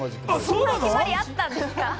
そんな決まりあったんですか？